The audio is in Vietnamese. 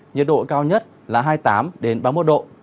nhiệt độ cao nhất là hai mươi tám ba mươi một độ